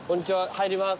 入ります。